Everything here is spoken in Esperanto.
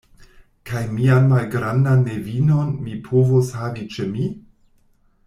Kaj mian malgrandan nevinon mi povos havi ĉe mi?